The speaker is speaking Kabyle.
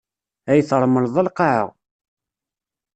Ay tṛemleḍ a lqaɛa!